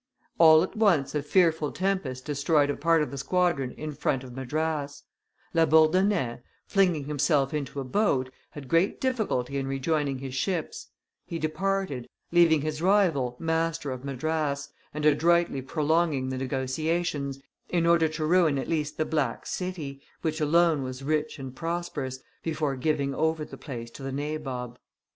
All at once a fearful tempest destroyed a part of the squadron in front of Madras; La Bourdonnais, flinging himself into a boat, had great difficulty in rejoining his ships; he departed, leaving his rival master of Madras, and adroitly prolonging the negotiations, in order to ruin at least the black city, which alone was rich and prosperous, before giving over the place to the Nabob.